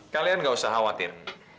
kalian tidak usah khawatir